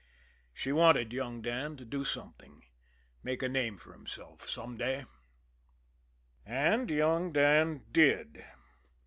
She wanted young Dan to do something, make a name for himself some day. And young Dan did.